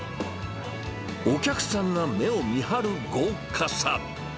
お客さんが目を見張る豪華さ。